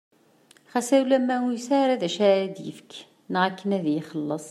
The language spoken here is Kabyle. Ɣas ulamma ur yesɛwi ara d acu ara d-yefk neɣ akken ad iyi-ixelles.